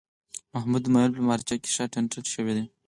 محمود د مبایل په مارچه کې ښه ټانټه شوی دی.